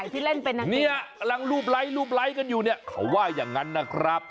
ที่รูปไลฟ์กันอยู่เนี่ยเขาว่าอย่างนั้นนะครับ